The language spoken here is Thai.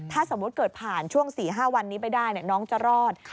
ถ้าสมมุติเกิดผ่านช่วง๔๕วันนี้ไปได้น้องจะรอด